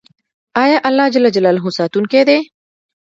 آیا الله ساتونکی دی؟